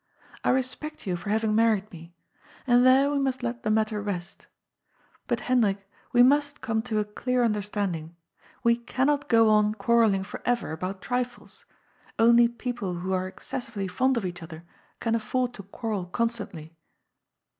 " I respect you for haying married me, and there we must let the mat ter rest. But, Hendrik, we must come to a clear under standing. We cannot go on quarrelling for eyer about trifles. Only people who are excessiyely fond of each other can afford to quarrel constantly."